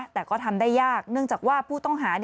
แต่ก็ทำได้ยากเนื่องจากว่าผู้ต้องหา